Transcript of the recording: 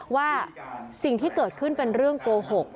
ว่าสิ่งที่เกิดขึ้นเป็นเรื่องโกหก